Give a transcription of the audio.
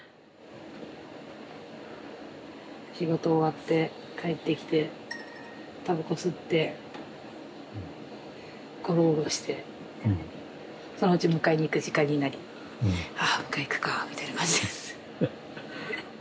仕事終わって帰ってきてタバコ吸ってごろごろしてそのうち迎えに行く時間になりあ迎えに行くかみたいな感じです。